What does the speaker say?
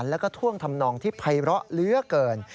และท่วงทำนองที่ไภเหลือเกิน